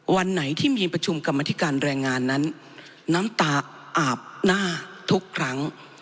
วันไหนที่มีประชุมกรรมธิการแรงงานนั้นน้ำตาอาบหน้าทุกครั้ง